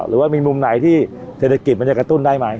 หรือว่ามีมุมไหนที่เศรษฐกิจมันจะกระตุ้นได้ไหม